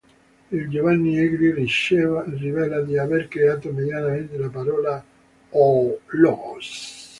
In Giovanni Egli rivela di aver creato mediante la Parola, o "Logos".